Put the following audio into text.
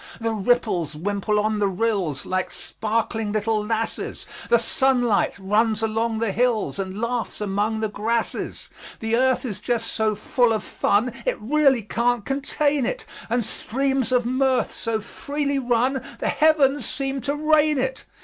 The ripples wimple on the rills, Like sparkling little lasses; The sunlight runs along the hills, And laughs among the grasses. The earth is just so full of fun It really can't contain it; And streams of mirth so freely run The heavens seem to rain it.